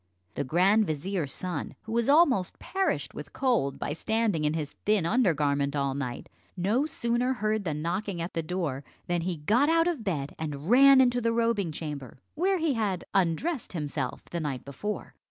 The grand vizier's son, who was almost perished with cold, by standing in his thin under garment all night, no sooner heard the knocking at the door than he got out of bed, and ran into the robing chamber, where he had undressed himself the night before.